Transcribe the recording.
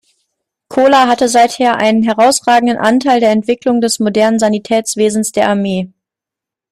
Coler hatte seither einen herausragenden Anteil der Entwicklung des modernen Sanitätswesens der Armee.